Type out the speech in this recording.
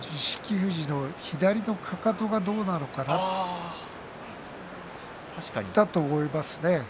富士の左のかかとがどうなのかだと思いますね。